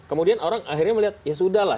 kemudian orang akhirnya melihat ya sudah lah